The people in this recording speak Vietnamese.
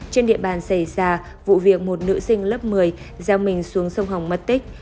trên địa bàn xảy ra vụ việc một nữ sinh lớp một mươi gieo mình xuống sông hồng mất tích